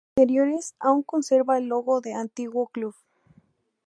En sus interiores, aún conserva el logo del antiguo club.